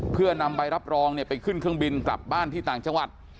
เพื่อนำใบรับรองไปขึ้นเครื่องบินกลับบ้านที่ต่างจังหวัด